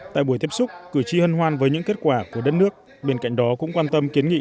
tại buổi tiếp xúc cử tri hân hoan với những kết quả của đất nước bên cạnh đó cũng quan tâm kiến nghị